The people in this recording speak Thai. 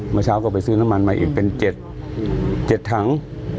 เมื่อเช้าก็ไปซื้อน้ำมันมาอีกเป็น๗ถัง